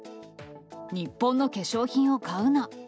日本の化粧品を買うな。